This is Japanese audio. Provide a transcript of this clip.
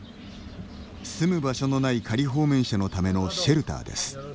住む場所のない仮放免者のためのシェルターです。